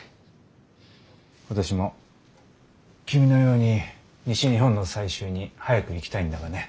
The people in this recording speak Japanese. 私も君のように西日本の採集に早く行きたいんだがね。